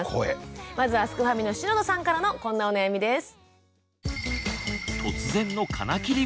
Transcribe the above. まずはすくファミの篠田さんからのこんなお悩みです。